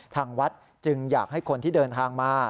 ทางวัดจึงอยากให้คนที่เดินทางมา